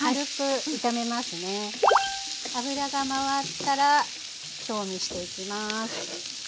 油がまわったら調味していきます。